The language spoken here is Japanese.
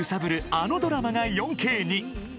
あのドラマが４Ｋに。